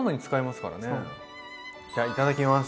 じゃいただきます。